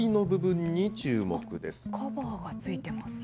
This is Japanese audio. カバーがついてますか。